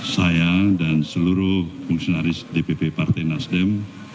saya dan seluruh fungsionaris dpp partai nasdem